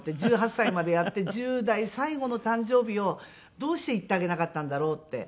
１８歳までやって１０代最後の誕生日をどうして行ってあげなかったんだろうって。